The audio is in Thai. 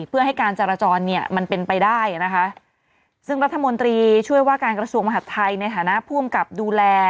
เพื่อให้การจรจรเนี่ยมันเป็นไปได้นะคะซึ่งรัฐมนตรีช่วยว่าการกระทรวงมหาดไทยในฐานะภูมิกับดูแล